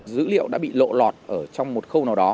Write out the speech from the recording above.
dữ liệu đã bị lộ lọt ở trong một khâu nào đó